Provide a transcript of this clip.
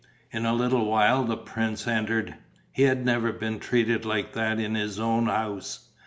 In a little while the prince entered. He had never been treated like that in his own house.